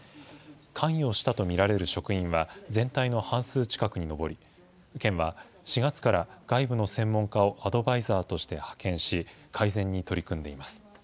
関与したと見られる職員は全体の半数近くに上り、県は、４月から外部の専門家をアドバイザーとして派遣し、改善に取り組んでいます。